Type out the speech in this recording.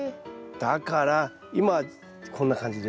だから今はこんな感じです。